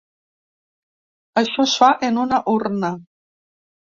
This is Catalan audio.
Això es fa en una urna.